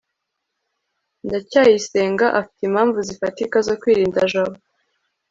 ndacyayisenga afite impamvu zifatika zo kwirinda jabo